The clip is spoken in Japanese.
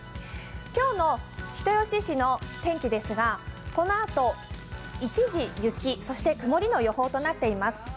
今日の人吉市の天気ですがこのあと一時雪そして曇りの予報となっています。